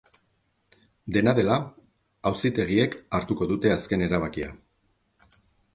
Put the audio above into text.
Dena dela, auzitegiek hartuko dute azken erabakia.